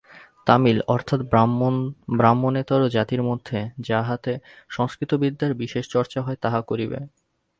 তামিল অর্থাৎ ব্রাহ্মণেতর জাতির মধ্যে যাহাতে সংস্কৃত বিদ্যার বিশেষ চর্চা হয়, তাহা করিবে।